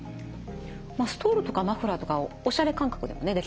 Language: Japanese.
ストールとかマフラーとかをおしゃれ感覚でもできますからね。